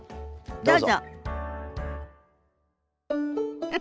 どうぞ。